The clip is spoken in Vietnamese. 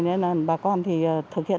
nên bà con thì thực hiện